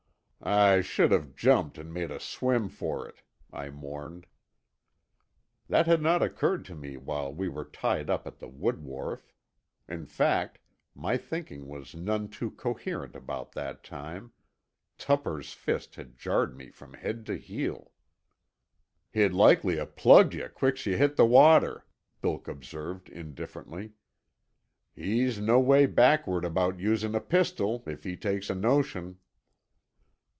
"I should have jumped and made a swim for it," I mourned. That had not occurred to me while we were tied up at the wood wharf; in fact, my thinking was none too coherent about that time—Tupper's fist had jarred me from head to heel. "He'd likely 'a' plugged yuh quick's yuh hit the water," Bilk observed indifferently. "He's noway backward about usin' a pistol, if he takes a notion."